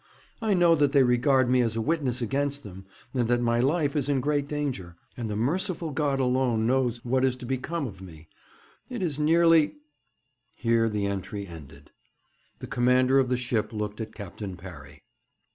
I know that they regard me as a witness against them, and that my life is in great danger, and the merciful God alone knows what is to become of me. It is nearly ' Here the entry ended. The commander of the ship looked at Captain Parry.